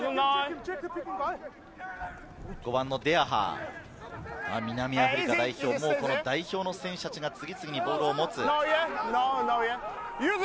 ５番はデヤハー、南アフリカ代表、代表の選手たちが次々とボールを持つ。